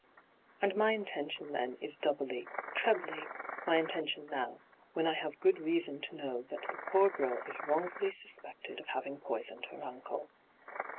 ' And my intention then is doubly, trebly, my intention now, when I have good reason to know that the poor girl is wrongfully suspected of having poisoaed her uncle.'